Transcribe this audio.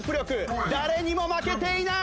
誰にも負けていない！